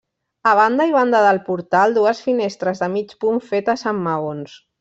A banda i banda del portal, dues finestres de mig punt fetes amb maons.